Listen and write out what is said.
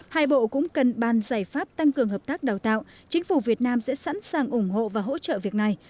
hai bộ cũng cần bàn giải pháp tăng cường hợp tác đào tạo chính phủ việt nam sẽ sẵn sàng ủng hộ và hỗ trợ việc này